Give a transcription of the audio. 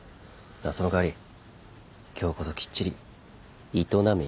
その代わり今日こそきっちり営めよ。